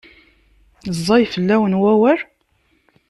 Ẓẓay fell-asen wawal?